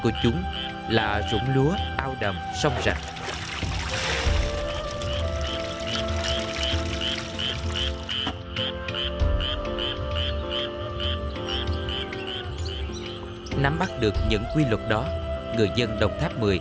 khu vực của chúng là rũng lúa ao đậm sông rạch nắm bắt được những quy luật đó người dân đồng tháp